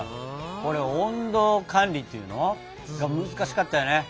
これ温度管理っていうの？が難しかったよね。